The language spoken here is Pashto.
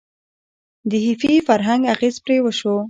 د هیپي فرهنګ اغیز پرې وشو.